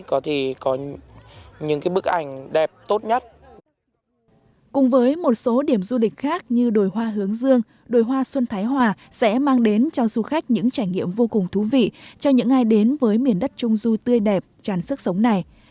cùng với một số điểm du lịch khác như đồi hoa hướng dương đồi hoa xuân thái hòa sẽ mang đến cho du khách những trải nghiệm vô cùng thú vị cho những ai đến với miền đất trung du tươi đẹp tràn sức sống này